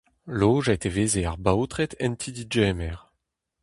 Lojet e veze ar baotred en ti-degemer.